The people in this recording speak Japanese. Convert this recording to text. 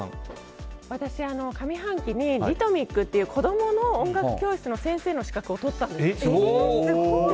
私、上半期にリトミックっていう子供の音楽教室の先生の資格を取ったんです。